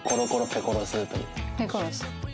ペコロス。